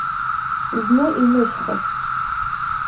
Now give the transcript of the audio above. Зны инышәхашт.